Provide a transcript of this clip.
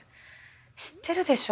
知ってるでしょ？